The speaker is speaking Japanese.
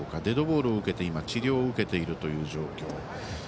デッドボールを受けて治療を受けているという状況。